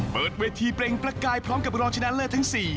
เปิดเวทีเปล่งประกายพร้อมกับรองชนะเลิศทั้ง๔